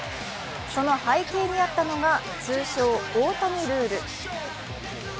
その背景にあったのが通称・大谷ルール。